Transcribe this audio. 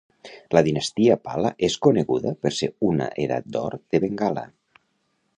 La dinastia Pala és coneguda per ser una edat d'or de Bengala.